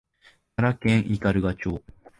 奈良県斑鳩町